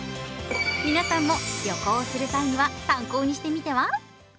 皆さんも旅行する際には参考にしてみては？